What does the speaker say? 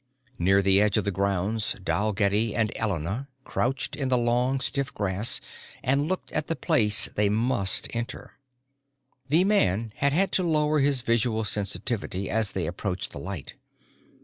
Near the edge of the grounds Dalgetty and Elena crouched in the long stiff grass and looked at the place they must enter. The man had had to lower his visual sensitivity as they approached the light.